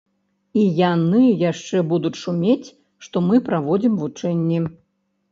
І яны яшчэ будуць шумець, што мы праводзім вучэнні.